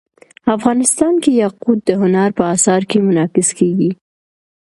افغانستان کې یاقوت د هنر په اثار کې منعکس کېږي.